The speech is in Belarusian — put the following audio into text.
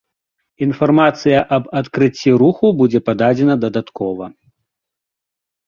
Інфармацыя аб адкрыцці руху будзе пададзена дадаткова.